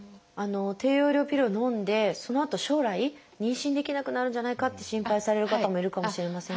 低用量ピルをのんでそのあと将来妊娠できなくなるんじゃないかって心配される方もいるかもしれませんが。